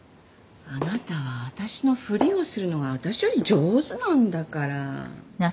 あなたは私のふりをするのが私より上手なんだから。